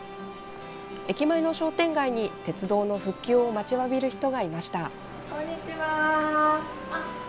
駅前の商店街に、鉄道の復旧を待ちわびる人がいました。